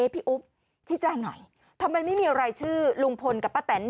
อุ๊บชี้แจ้งหน่อยทำไมไม่มีรายชื่อลุงพลกับป้าแตน